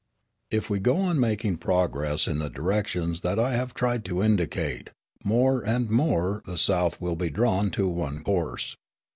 If we go on making progress in the directions that I have tried to indicate, more and more the South will be drawn to one course.